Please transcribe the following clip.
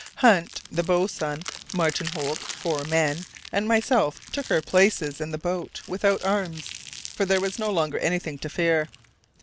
Hunt, the boatswain, Martin Holt, four men, and myself took our places in the boat, without arms; for there was no longer anything to fear.